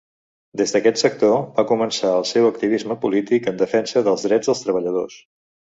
Des d'aquest sector va començar el seu activisme polític en defensa dels drets dels treballadors.